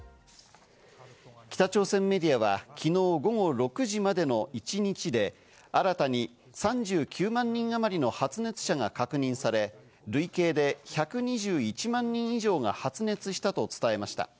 北朝鮮メディアは昨日午後６時までの一日で新たに３９万人あまりの発熱者が確認され、累計で１２１万人以上が発熱したと伝えました。